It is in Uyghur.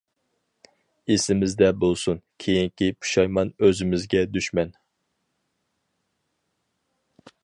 ئېسىمىزدە بولسۇن : كېيىنكى پۇشايمان ئۆزىمىزگە دۈشمەن.